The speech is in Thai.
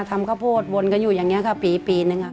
ทำครับโภสวนอยู่อย่างนี้ก็ปี